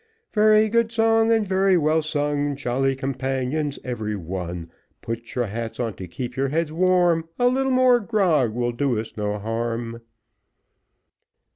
Very good song, and very well sung, Jolly companions every one; Put your hats on to keep your heads warm, A little more grog will do us no harm.